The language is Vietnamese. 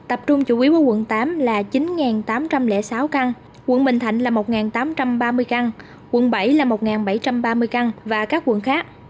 tập trung chủ yếu ở quận tám là chín tám trăm linh sáu căn quận bình thạnh là một tám trăm ba mươi căn quận bảy là một bảy trăm ba mươi căn và các quận khác